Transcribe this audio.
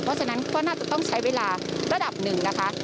เพราะฉะนั้นก็น่าจะต้องใช้เวลาระดับหนึ่งนะคะ